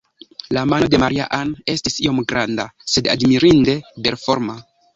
La mano de Maria-Ann estis iom granda, sed admirinde belforma.